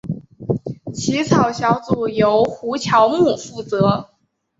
起草小组由胡乔木负责。